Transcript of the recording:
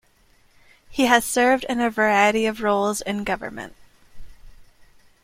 He has served in a variety of roles in government.